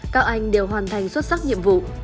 các anh đều hoàn thành xuất sắc nhiệm vụ